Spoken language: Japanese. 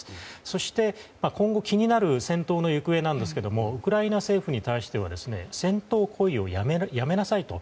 そして、今後気になる戦闘の行方ですがウクライナ政府に対しては戦闘行為をやめなさいと。